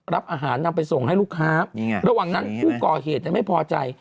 ระหว่างนั้นผู้ก่อเหตุไม่พอใจ